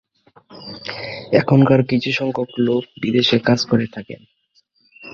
এখানকার কিছু সংখ্যক লোক বিদেশে কাজ করে থাকেন।